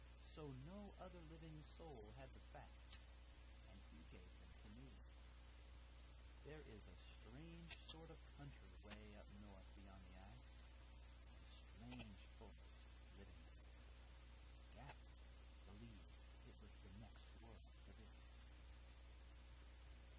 So no other living soul had the facts, and he gave them to me. There is a strange sort of a country 'way up north beyond the ice, and strange folks living in it. Gaffett believed it was the next world to this."